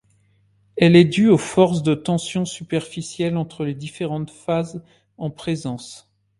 Elle est due aux forces de tension superficielle entre les différentes phases en présence.